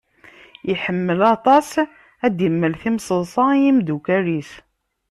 Iḥemmel aṭas ad d-imel timṣeḍsa i yimeddukal-is.